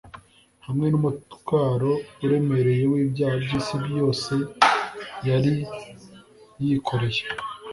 Hamwe n'umutwaro uremereye w'ibyaha by'isi yose yari yikoreye,